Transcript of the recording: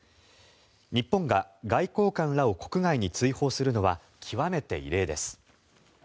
日本が外交官らを国外に追放するのは極めて異例です。